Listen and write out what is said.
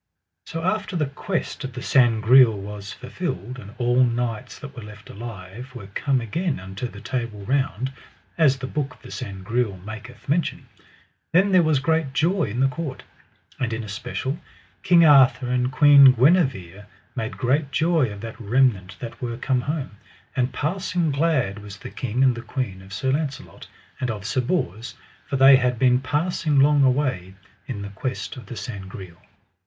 So after the quest of the Sangreal was fulfilled, and all knights that were left alive were come again unto the Table Round, as the book of the Sangreal maketh mention, then was there great joy in the court; and in especial King Arthur and Queen Guenever made great joy of the remnant that were come home, and passing glad was the king and the queen of Sir Launcelot and of Sir Bors, for they had been passing long away in the quest of the Sangreal.